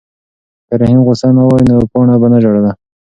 که رحیم غوسه نه وای نو پاڼه به نه ژړله.